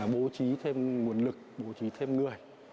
bố trí thêm nguồn lực bố trí thêm người